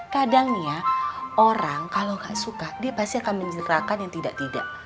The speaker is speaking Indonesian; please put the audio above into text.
kadang ya orang kalau gak suka dia pasti akan menjerahkan yang tidak tidak